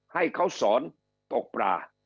ให้เขาสอนตกปลา